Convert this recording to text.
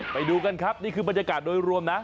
ไปดูกันครับนี่คือบรรยากาศโดยรวมนะ